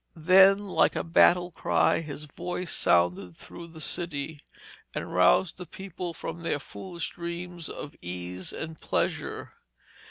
Then, like a battle cry, his voice sounded through the city, and roused the people from their foolish dreams of ease and pleasure.